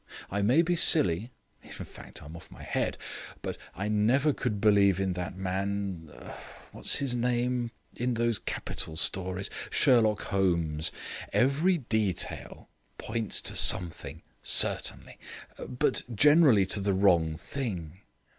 I may be silly in fact, I'm off my head but I never could believe in that man what's his name, in those capital stories? Sherlock Holmes. Every detail points to something, certainly; but generally to the wrong thing.